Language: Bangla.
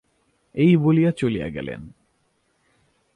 এই বলিয়া চলিয়া গেলেন।